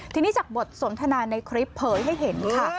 ทีนี้จากบทสนทนาในคลิปเผยให้เห็นค่ะ